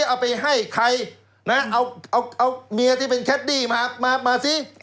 เอาไปให้ใครนะเอาเอาเอาเมียที่เป็นแคดดี้มามามาสิอ๋อ